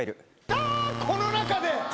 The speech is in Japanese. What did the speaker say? ああ、この中で？